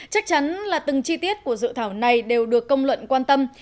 chắc chắn là từng chi tiết của dự thảo này đều được công luận quan tâm